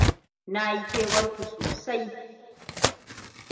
Na yi kewar ku sosai.